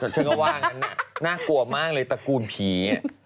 ฉันก็ว่างั้นน่ากลัวมากเลยตระกูลผี